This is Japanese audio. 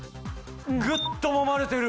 ぐっともまれてる。